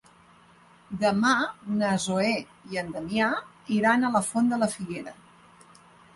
Demà na Zoè i en Damià iran a la Font de la Figuera.